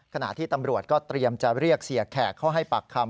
ขณะที่ตำรวจก็เตรียมจะเรียกเสียแขกเข้าให้ปากคำ